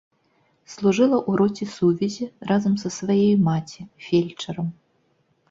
Служыла ў роце сувязі разам са сваёй маці, фельчарам.